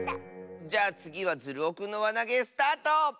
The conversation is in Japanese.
じゃあつぎはズルオくんのわなげスタート！